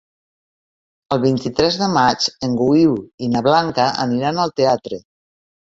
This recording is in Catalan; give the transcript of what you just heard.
El vint-i-tres de maig en Guiu i na Blanca aniran al teatre.